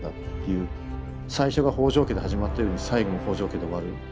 最初が北条家で始まったように最後も北条家で終わる。